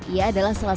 ia adalah seorang